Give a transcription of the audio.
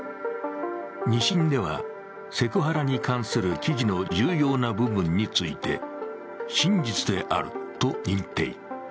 ２審ではセクハラに関する記事の重要な部分について真実であると認定。